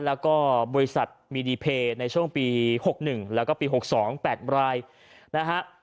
แล้วก็บริษัทมีดีเพย์ในช่วงปี๖๑แล้วก็ปี๖๒๘รายนะฮะ